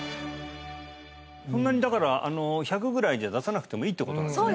そんなにだから１００ぐらいじゃ出さなくてもいいってことなんですね